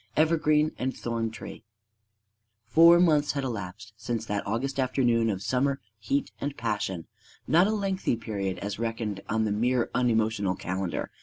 V EVERGREEN AND THORN TREE FOUR months had elapsed since that August afternoon of summer heat and passion not a lengthy period as reckoned on the mere unemotional calendar.